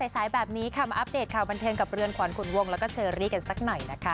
สายแบบนี้ค่ะมาอัปเดตข่าวบันเทิงกับเรือนขวัญขุนวงแล้วก็เชอรี่กันสักหน่อยนะคะ